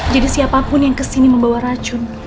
jadi siapapun yang kesini membawa racun